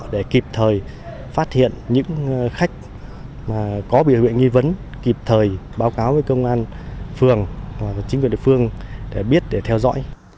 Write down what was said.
để kịp thời phát hiện những khách có biểu hiện nghi vấn kịp thời báo cáo với công an phường và chính quyền địa phương để biết để theo dõi